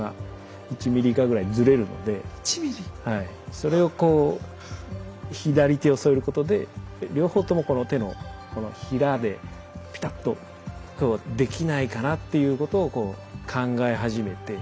それをこう左手を添えることで両方ともこの手のひらでぴたっとこうできないかなっていうことをこう考え始めて。